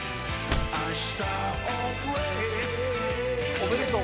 おめでとう。